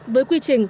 với quy trình